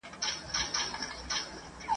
ښکاري زرکي ته اجل کړی کمین وو !.